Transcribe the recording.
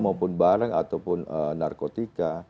maupun barang ataupun narkotika